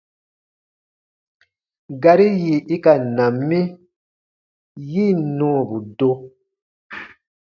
Gari yì i ka na mi, yi ǹ nɔɔbu do.